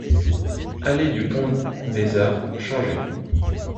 Allée du Pont des Arts, Changé